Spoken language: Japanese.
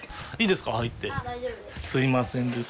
すみませんです。